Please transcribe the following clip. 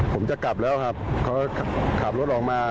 ผมจะกลับแล้วครับเขาขับรถออกมา